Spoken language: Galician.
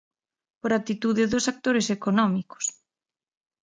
Por actitude dos actores económicos.